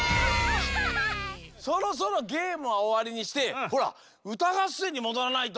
そろそろゲームはおわりにしてほらうたがっせんにもどらないと。